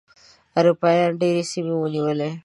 اروپایانو ډېرې سیمې ونیولې.